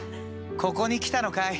ここに来たのかい？